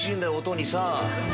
音にさ。